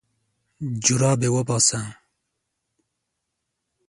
جرابې وباسه.